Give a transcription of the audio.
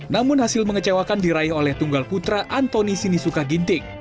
namun hasil mengecewakan diraih oleh tunggal putra antoni sinisuka ginting